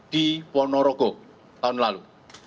di ponorogo tahun lalu